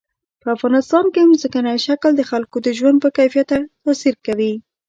په افغانستان کې ځمکنی شکل د خلکو د ژوند په کیفیت تاثیر کوي.